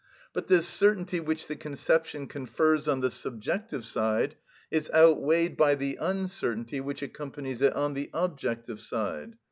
But this certainty which the conception confers on the subjective side is outweighed by the uncertainty which accompanies it on the objective side.